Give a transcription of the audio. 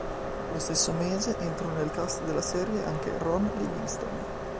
Lo stesso mese, entrò nel cast della serie anche Ron Livingston.